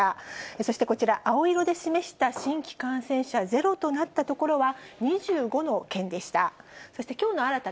そしてこちら、青色で示した新規感染者、ゼロとなった所は２５の県でした。